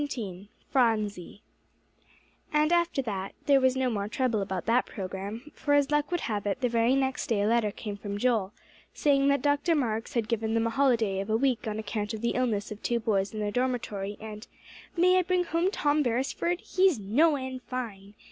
XVII PHRONSIE And after that, there was no more trouble about that program, for as luck would have it, the very next day a letter came from Joel, saying that Dr. Marks had given them a holiday of a week on account of the illness of two boys in their dormitory, and, "May I bring home Tom Beresford? He's no end fine!"